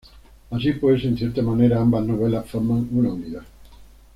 Así pues, en cierta manera ambas novelas forman una unidad.